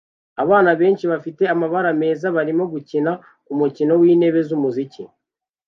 Abana benshi bafite amabara meza barimo gukina umukino wintebe zumuziki